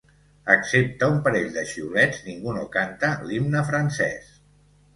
Excepte un parell de xiulets, ningú no canta l’himne francès.